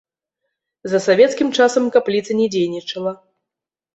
За савецкім часам капліца не дзейнічала.